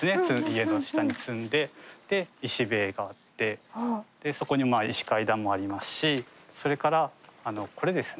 家の下に積んで石塀があってそこに石階段もありますしそれからこれですね